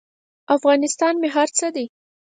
افغانستان مې هر څه دی.